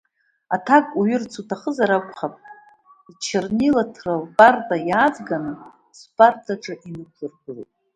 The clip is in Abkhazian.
Аҭак уҩырц уҭахызар акәхап, лчарнилаҭра лпарта иааҵганы спартаҿы инықәлыргылеит.